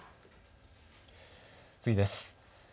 次です。